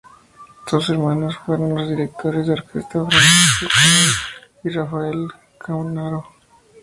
Sus hermanos fueron los directores de orquesta Francisco Canaro y Rafael Canaro.